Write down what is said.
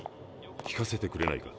聞かせてくれないか。